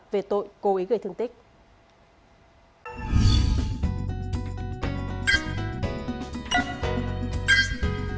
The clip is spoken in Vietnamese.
về tội cố ý gây thương tích